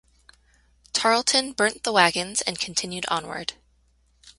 Tarleton burnt the wagons and continued onward.